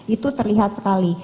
itu terlihat sekali